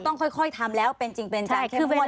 ต้องค่อยทำแล้วเป็นจริงเป็นจันทร์แค่มห้วนนี่แหละ